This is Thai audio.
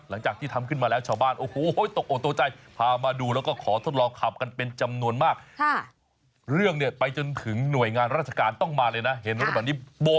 หลังจากที่ทำขึ้นมาแล้วชาวบ้านโอ้โฮตกโอดตัวใจ